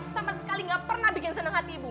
sampai sekali gak pernah bikin seneng hati ibu